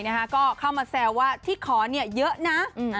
ก็เข้ามาแซวว่าที่ขอเนี่ยเยอะนะ